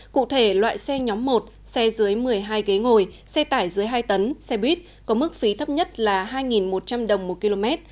cụ thể loại xe nhóm một xe dưới một mươi hai ghế ngồi xe tải dưới hai tấn xe buýt có mức phí thấp nhất là hai một trăm linh đồng một km